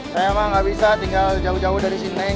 saya emang nggak bisa tinggal jauh jauh dari sini